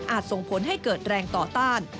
ส่งผลให้เกิดแรงต่อต้าน